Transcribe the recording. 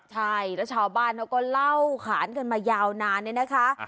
ใช่แล้วชาวบ้านเขาก็เล่าขานกันมายาวนานเนี่ยนะคะ